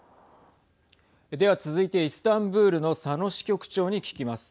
では続いて、イスタンブールの佐野支局長に聞きます。